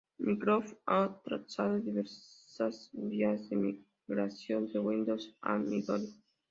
Microsoft ha trazado diversas vías de migración de Windows a Midori.